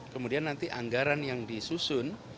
kemudian nanti anggaran yang disusun